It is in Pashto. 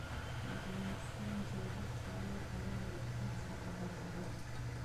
د انسان پیدایښت د الله تعالی له حکمت څخه ډک دی.